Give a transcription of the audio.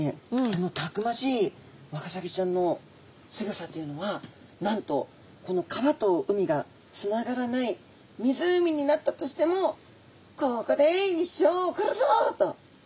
そのたくましいワカサギちゃんのすギョさというのはなんとこの川と海がつながらない湖になったとしても「ここで一生を送るぞ」と。